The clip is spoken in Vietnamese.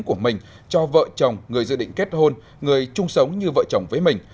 của mình cho vợ chồng người dự định kết hôn người chung sống như vợ chồng với mình